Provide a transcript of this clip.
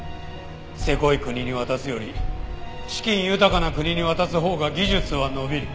せこい国に渡すより資金豊かな国に渡すほうが技術は伸びる。